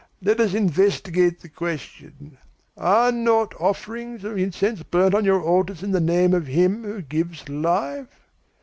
Let us investigate the question. Are not offerings of incense burnt on your altars in the name of Him who gives life?